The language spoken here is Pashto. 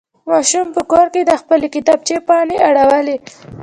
ماشوم په کور کې د خپلې کتابچې پاڼې اړولې.